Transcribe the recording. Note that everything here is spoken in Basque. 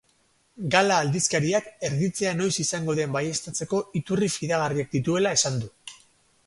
Gala aldizkariak erditzea noiz izango den baieztatzeko iturri fidagarriak dituela esan du.